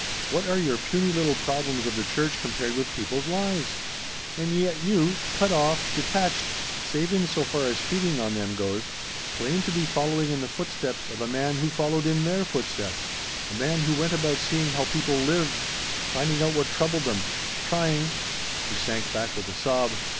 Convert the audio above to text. What are your puny little problems of the church compared with people's lives? And yet you cut off detached save in so far as feeding on them goes claim to be following in the footsteps of a man who followed in their footsteps a man who went about seeing how people lived finding out what troubled them trying " She sank back with a sob.